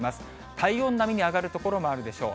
体温並みに上がる所もあるでしょう。